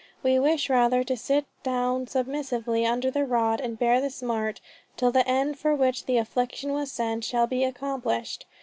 We wish rather to sit down submissively under the rod and bear the smart, till the end for which the affliction was sent shall be accomplished.